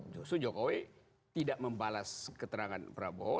justru jokowi tidak membalas keterangan prabowo